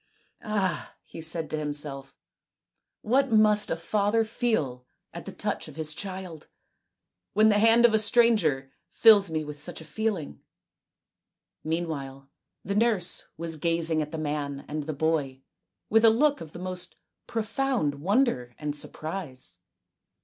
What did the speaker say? " Ah !" he said to himself, " what must a father feel at the touch of his child, when the hand of a stranger fills me with such a feeling !" Meanwhile the nurse was gazing at the man and the boy with a look of the most profound wonder and surprise.